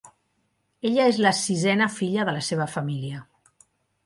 Ella és la sisena filla de la seva família.